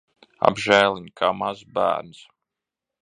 Apžēliņ! Kā mazs bērns.